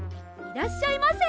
いらっしゃいませ！